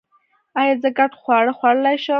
ایا زه ګډ خواړه خوړلی شم؟